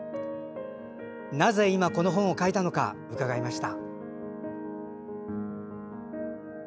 なぜ今、この本を書いたのか、伺いました。